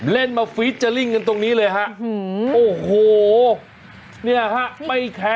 เล่นมาเฟีเจอร์ซิงค์ตรงนี้เลยฮะ